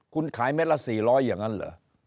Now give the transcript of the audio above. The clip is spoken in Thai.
คุณขายเม็ดละ๔๐๐อย่างนั้นเหรอ